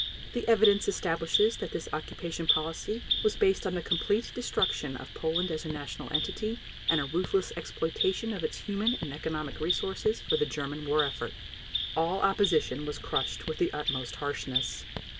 The evidence establishes that this occupation policy was based on the complete destruction of Poland as a national entity, and a ruthless exploitation of its human and economic resources for the German war effort. All opposition was crushed with the utmost harshness.